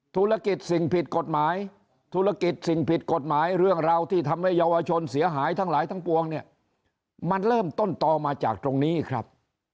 ธุรกิจสิ่งผิดกฎหมายธุรกิจสิ่งผิดกฎหมายเรื่องราวที่ทำให้เยาวชนเสียหายทั้งหลายทั้งปวงเนี่ยมันเริ่มต้นต่อมาจากตรงนี้ครับ